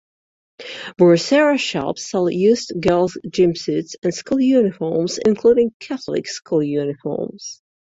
Burusera shops sell used girls' gym suits and school uniforms, including Catholic school uniforms.